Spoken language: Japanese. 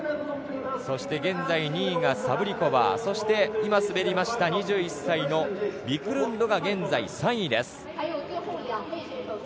現在２位がサブリコバー今滑りました２１歳のビクルンドが現在３位です。